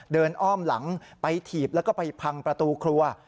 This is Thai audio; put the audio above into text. อ้อมหลังไปถีบแล้วก็ไปพังประตูครัว